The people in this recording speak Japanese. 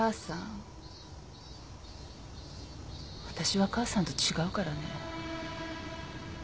私は母さんと違うからね。